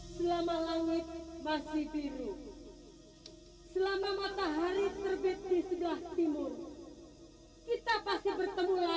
selama langit masih biru selama matahari terbit di sebelah timur kita pasti bertemu lagi sablang